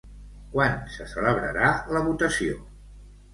Quan se celebrarà la votació?